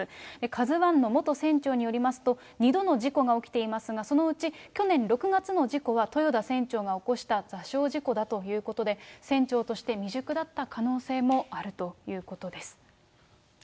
カズワンの元船長によりますと、２度の事故が起きていますが、そのうち去年６月の事故は豊田船長が起こした座礁事故だということで、船長として未熟だった可能性もあるということです。